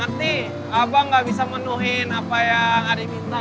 hati abang gak bisa menuhin apa yang adik minta